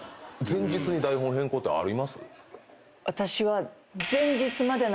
私は。